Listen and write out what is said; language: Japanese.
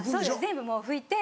全部もう拭いて。